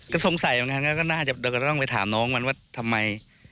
ก็สงสัยเหมือนกันก็น่าจะเราก็ต้องไปถามน้องมันว่าทำไม